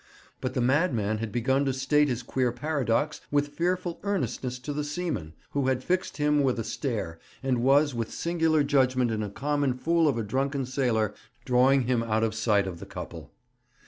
But the madman had begun to state his queer paradox with fearful earnestness to the seaman, who had fixed him with a stare, and was, with singular judgment in a common fool of a drunken sailor, drawing him out of sight of the couple.